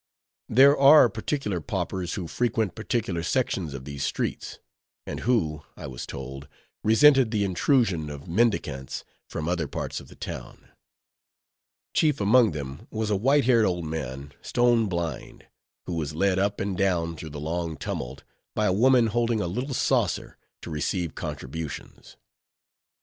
There are particular paupers who frequent particular sections of these streets, and who, I was told, resented the intrusion of mendicants from other parts of the town. Chief among them was a white haired old man, stone blind; who was led up and down through the long tumult by a woman holding a little saucer to receive contributions.